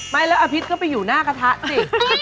ไม่แล้วอาทิตย์ก็ไปอยู่หน้ากระทะสิ